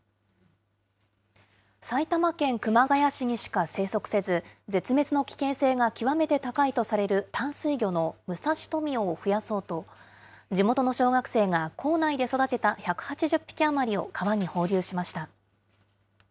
埼玉県熊谷市にしか生息せず、絶滅の危険性が極めて高いとされる淡水魚のムサシトミヨを増やそうと、地元の小学生が校内で育てた１８０匹余りを川に放流しました。